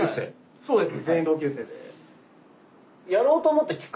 そうですね。